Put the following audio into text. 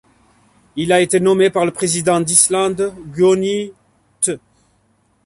Il a été nommé par le président d'Islande Guðni Th.